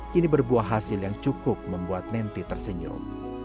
kini berbuah hasil yang cukup membuat nenty tersenyum